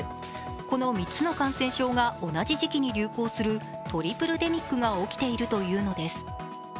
この３つの感染症が同じ時期に流行するトリプルデミックが起きているというのです。